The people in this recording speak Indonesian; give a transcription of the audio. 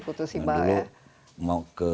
putus ibau ya dulu mau ke